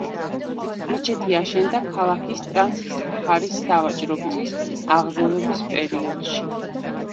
მეჩეთი აშენდა ქალაქის ტრანს-საჰარის სავაჭრო გზის აღზევების პერიოდში.